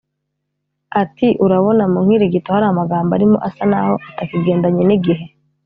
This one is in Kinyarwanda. Ati “ Urabona mu nkirigito hari amagambo arimo asa naho atakigendanye n’igihe